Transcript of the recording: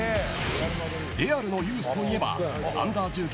レアルのユースといえばＵ−１９